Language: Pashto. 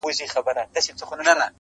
لا دې ژوندي یو څو یاران ګرځي